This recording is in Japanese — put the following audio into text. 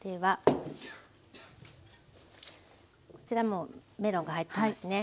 こちらもうメロンが入ってますね。